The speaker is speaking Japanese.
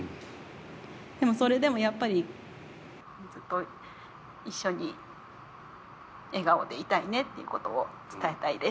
でも、それでもやっぱりずっと一緒に笑顔でいたいねっていうことを伝えたいです。